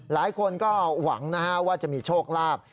หลายคนก็หวังนะฮะว่าจะมีโชคลาภ